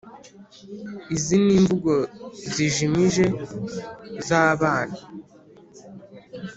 Izi n’imvugo zijimije zabana